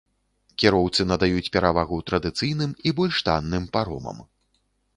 Кіроўцы надаюць перавагу традыцыйным і больш танным паромам.